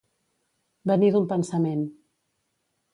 Venir d'un pensament.